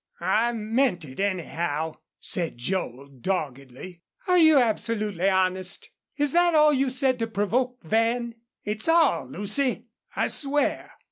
"I meant it, anyhow," said Joel, doggedly. "Are you absolutely honest? Is that all you said to provoke Van?" "It's all, Lucy, I swear."